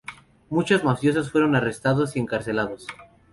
Muchos mafiosos fueron arrestados y encarcelados.